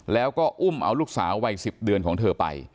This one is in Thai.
แล้วก็อุ้มเอาลูกสาววัย๑๐เดือนของเธอไป